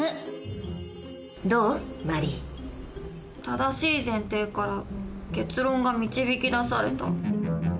正しい前提から結論が導き出された。